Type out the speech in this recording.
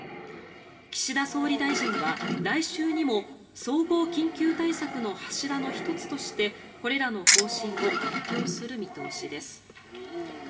岸田総理大臣は来週にも総合緊急対策の柱の１つとしてこれらの方針を発表する見通しです。